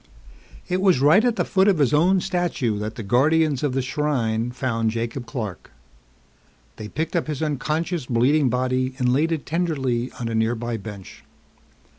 It was right at the foot of his own statue that the Guardians of the Shrine found Jacob Clark. They picked up his unconscious, bleeding body and laid it tenderly on a nearby bench.